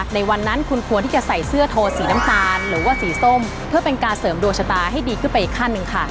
ในวันนั้นคุณควรที่จะใส่เสื้อโทสีน้ำตาลหรือว่าสีส้มเพื่อเป็นการเสริมดวงชะตาให้ดีขึ้นไปอีกขั้นหนึ่งค่ะ